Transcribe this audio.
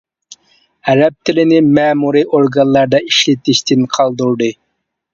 ئەرەب تىلىنى مەمۇرى ئورگانلاردا ئىشلىتىشتىن قالدۇردى.